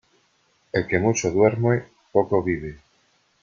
El que mucho duerme poco vive.